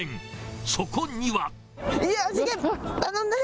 そこには。